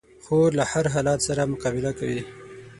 خور له هر حالت سره مقابله کوي.